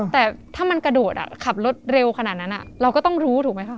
แต่ถ้ามันกระโดดขับรถเร็วขนาดนั้นเราก็ต้องรู้ถูกไหมคะ